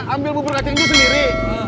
ambil bubur kaceng dia sendiri